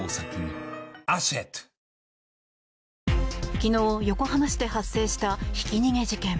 昨日、横浜市で発生したひき逃げ事件。